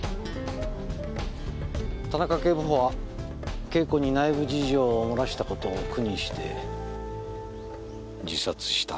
田中警部補は「Ｋ子」に内部事情を洩らした事を苦にして自殺した。